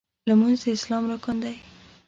لمونځ د اسلام رکن دی.